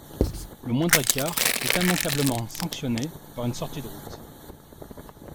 Le moindre écart est immanquablement sanctionné par une sortie de route.